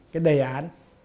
cái đề án